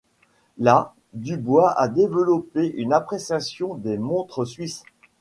Là, Dubois a développé une appréciation des montres suisses.